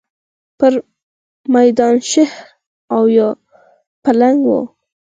پر مېدان شېر و یا پلنګ و.